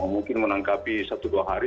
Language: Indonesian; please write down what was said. mungkin menangkapi satu dua hari